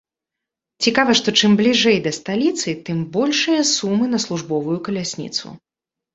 Цікава, што чым бліжэй да сталіцы, тым большыя сумы на службовую калясніцу.